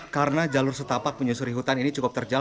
karena jalur setapak menyusuri hutan ini cukup terjal